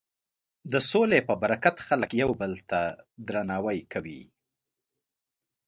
د سولې په برکت خلک یو بل ته درناوی کوي.